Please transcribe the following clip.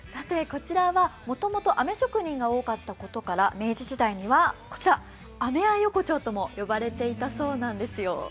こちらはもともとあめ職人が多かったことから明治時代にはこちらあめ屋横町とも呼ばれていたそうなんですよ。